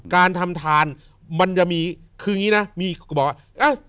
การทำธานมันจะมีคืออย่างนี้นะ